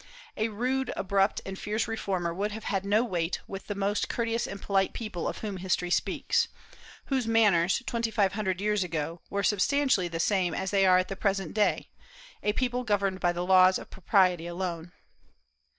A rude, abrupt, and fierce reformer would have had no weight with the most courteous and polite people of whom history speaks; whose manners twenty five hundred years ago were substantially the same as they are at the present day, a people governed by the laws of propriety alone.